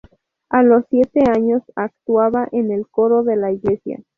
A los siete años actuaba en el coro de la iglesia.